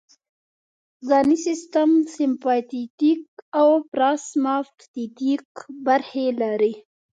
ځانی سیستم سمپاتیتیک او پاراسمپاتیتیک برخې لري